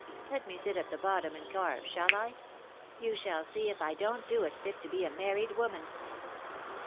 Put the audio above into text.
Let me sit at the bottom and carve, shall I ? You shall see if I don't do it fit to be a married ■woman.